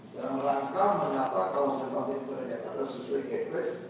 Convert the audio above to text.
dalam rangka menata kawasan pabrik kerajaan tersebut kepres